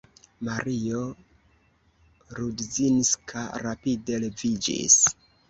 Mario Rudzinska rapide leviĝis.